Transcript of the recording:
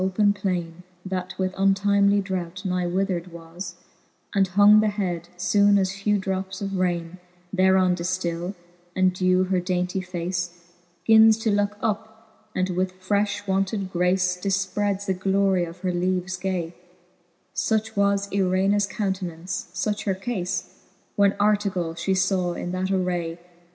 XIIL Like as a tender ro(e in open plaine, That with untimely drought nigh withred was, And hung the head, fbone as few drops of raine Thereon diftill, and deaw her daintie face. Gins to look, up, and with frefli wonted grace Pifpreds the glorie of her leaves gay ; Such was Irenas countenance, fuch her caie, When Artegall fhe faw in that array.